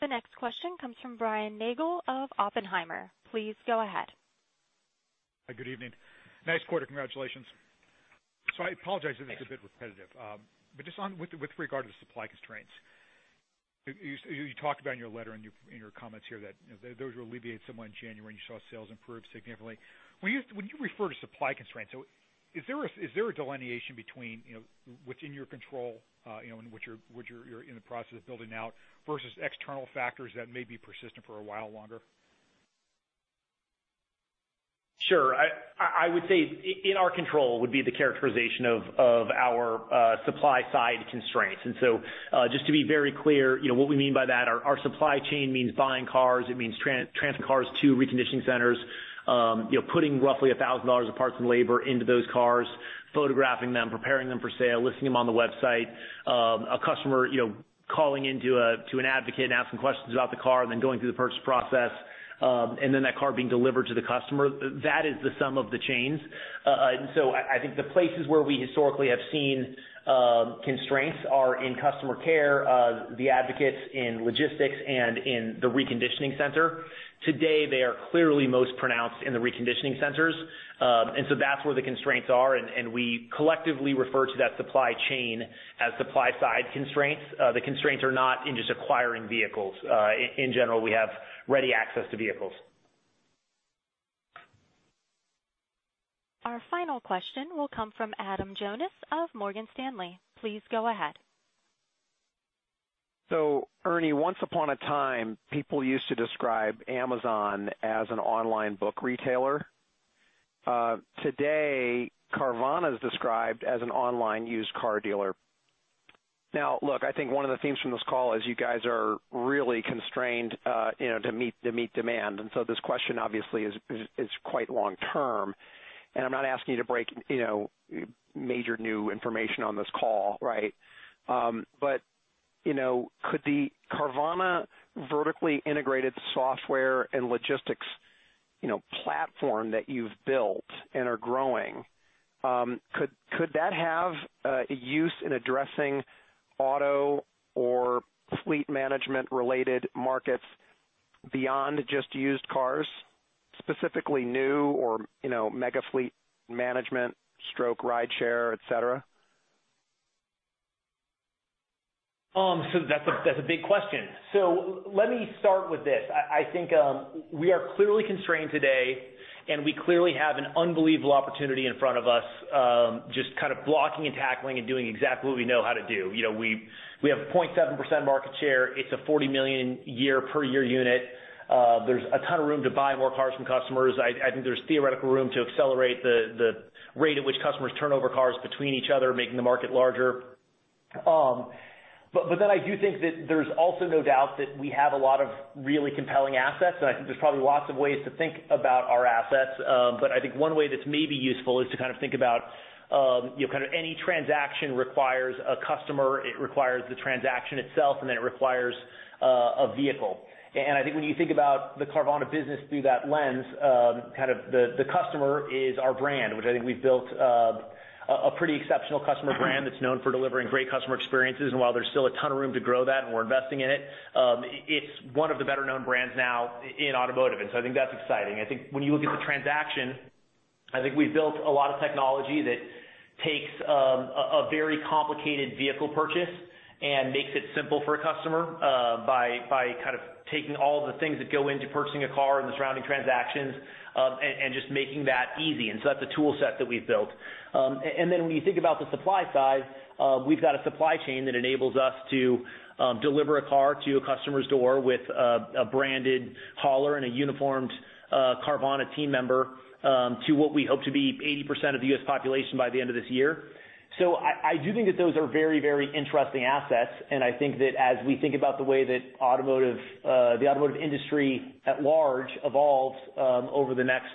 The next question comes from Brian Nagel of Oppenheimer. Please go ahead. Hi, good evening. Nice quarter, congratulations. I apologize if it's a bit repetitive. Just with regard to supply constraints, you talked about in your letter and in your comments here that those were alleviated somewhat in January, and you saw sales improve significantly. When you refer to supply constraints, is there a delineation between what's in your control and what you're in the process of building out versus external factors that may be persistent for a while longer? Sure. I would say in our control would be the characterization of our supply-side constraints. Just to be very clear, what we mean by that, our supply chain means buying cars. It means transferring cars to Reconditioning Centers. Putting roughly $1,000 of parts and labor into those cars, photographing them, preparing them for sale, listing them on the website. A customer calling in to an advocate and asking questions about the car, and then going through the purchase process, and then that car being delivered to the customer. That is the sum of the chains. I think the places where we historically have seen constraints are in customer care, the advocates in logistics, and in the Reconditioning Center. Today, they are clearly most pronounced in the Reconditioning Centers. That's where the constraints are, and we collectively refer to that supply chain as supply-side constraints. The constraints are not in just acquiring vehicles. In general, we have ready access to vehicles. Our final question will come from Adam Jonas of Morgan Stanley. Please go ahead. Ernie, once upon a time, people used to describe Amazon as an online book retailer. Today, Carvana is described as an online used car dealer. Now, look, I think one of the themes from this call is you guys are really constrained to meet demand. This question obviously is quite long-term. I'm not asking you to break major new information on this call, right? Could the Carvana vertically integrated software and logistics platform that you've built and are growing, could that have a use in addressing auto or fleet management-related markets beyond just used cars, specifically new or mega fleet management/rideshare, et cetera? That's a big question. Let me start with this. I think we are clearly constrained today, and we clearly have an unbelievable opportunity in front of us, just blocking and tackling and doing exactly what we know how to do. We have a 0.7% market share. It's a 40-million-year per year unit. There's a ton of room to buy more cars from customers. I think there's theoretical room to accelerate the rate at which customers turn over cars between each other, making the market larger. I do think that there's also no doubt that we have a lot of really compelling assets, and I think there's probably lots of ways to think about our assets. I think one way that's maybe useful is to think about any transaction requires a customer, it requires the transaction itself, and then it requires a vehicle. I think when you think about the Carvana business through that lens, the customer is our brand, which I think we've built a pretty exceptional customer brand that's known for delivering great customer experiences. While there's still a ton of room to grow that and we're investing in it's one of the better-known brands now in automotive, I think that's exciting. I think when you look at the transaction, I think we've built a lot of technology that takes a very complicated vehicle purchase and makes it simple for a customer by taking all the things that go into purchasing a car and the surrounding transactions, and just making that easy. That's a tool set that we've built. When you think about the supply side, we've got a supply chain that enables us to deliver a car to a customer's door with a branded hauler and a uniformed Carvana team member, to what we hope to be 80% of the U.S. population by the end of this year. I do think that those are very, very interesting assets, and I think that as we think about the way that the automotive industry at large evolves over the next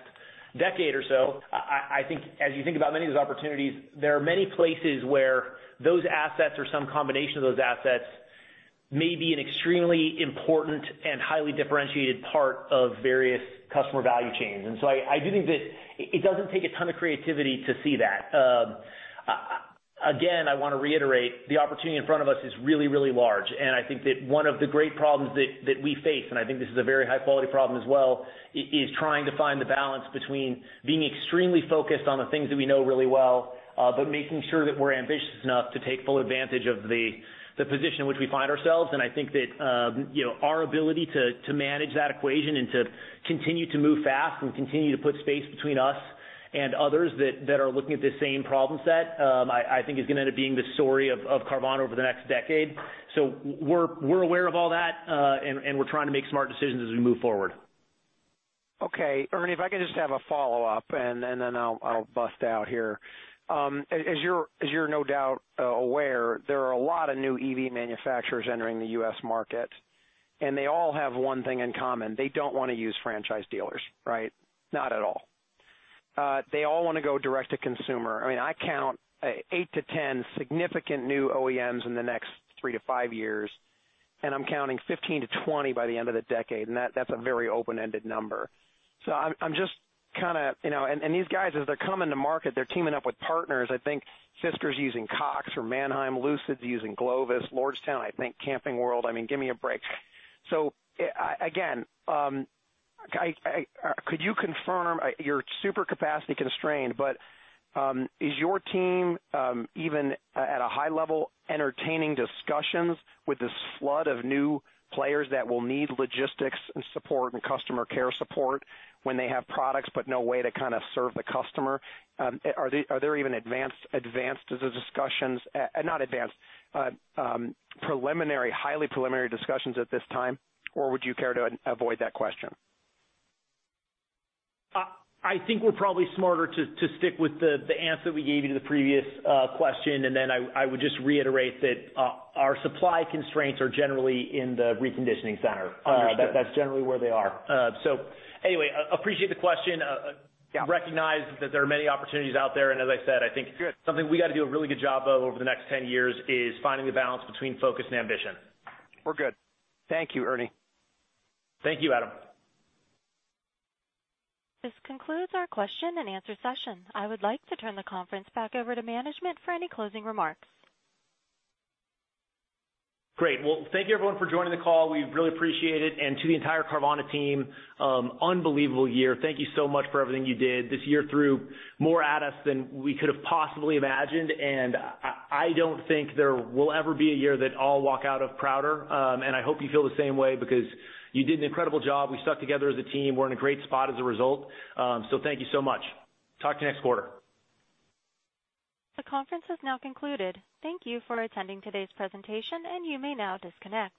decade or so, I think as you think about many of those opportunities, there are many places where those assets or some combination of those assets may be an extremely important and highly differentiated part of various customer value chains. I do think that it doesn't take a ton of creativity to see that. Again, I want to reiterate, the opportunity in front of us is really, really large, and I think that one of the great problems that we face, and I think this is a very high-quality problem as well, is trying to find the balance between being extremely focused on the things that we know really well, but making sure that we're ambitious enough to take full advantage of the position in which we find ourselves. I think that our ability to manage that equation and to continue to move fast and continue to put space between us and others that are looking at the same problem set, I think is going to end up being the story of Carvana over the next decade. We're aware of all that, and we're trying to make smart decisions as we move forward. Okay. Ernie, if I could just have a follow-up, then I'll bust out here. As you're no doubt aware, there are a lot of new EV manufacturers entering the U.S. market, they all have one thing in common. They don't want to use franchise dealers. Right? Not at all. They all want to go direct to consumer. I count 8-10 significant new OEMs in the next three to five years, I'm counting 15-20 by the end of the decade, that's a very open-ended number. These guys, as they're coming to market, they're teaming up with partners. I think Fisker's using Cox or Manheim. Lucid's using Glovis. Lordstown, I think Camping World. Give me a break. Again, could you confirm, you're super capacity constrained, but is your team, even at a high level, entertaining discussions with this flood of new players that will need logistics support and customer care support when they have products but no way to serve the customer? Are there even not advanced, preliminary, highly preliminary discussions at this time, or would you care to avoid that question? I think we're probably smarter to stick with the answer we gave you to the previous question, and then I would just reiterate that our supply constraints are generally in the reconditioning center. Understood. That's generally where they are. Anyway, appreciate the question. Yeah. Recognize that there are many opportunities out there, and as I said. Good something we've got to do a really good job of over the next 10 years is finding the balance between focus and ambition. We're good. Thank you, Ernie. Thank you, Adam. This concludes our question and answer session. I would like to turn the conference back over to management for any closing remarks. Great. Well, thank you everyone for joining the call. We really appreciate it. To the entire Carvana team, unbelievable year. Thank you so much for everything you did. This year threw more at us than we could've possibly imagined, and I don't think there will ever be a year that I'll walk out of prouder. I hope you feel the same way because you did an incredible job. We stuck together as a team. We're in a great spot as a result. Thank you so much. Talk to you next quarter. The conference is now concluded. Thank you for attending today's presentation, and you may now disconnect.